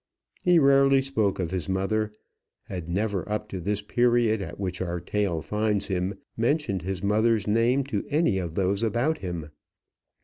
He rarely spoke of his mother, had never, up to this period at which our tale finds him, mentioned his mother's name to any of those about him.